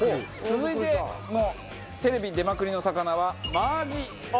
続いてもテレビ出まくりの魚は真アジ。